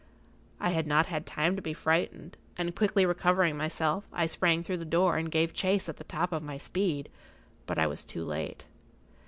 I had not had time to be frightened, and quickly recovering myself, I sprang through the door and gave chase at the top of my speed, but I was too late.